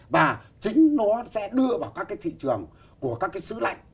và chính nó sẽ đưa vào các cái thị trường của các cái sứ lạnh